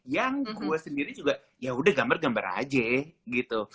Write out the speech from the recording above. yang gue sendiri juga ya udah gambar gambar aja gitu